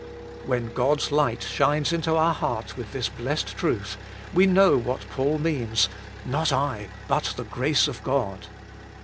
When God s light shines into our heart with this blessed truth, we know what Paul means, " Not I, but the grace of God."